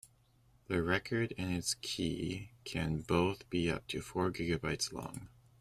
The record and its key can both be up to four gigabytes long.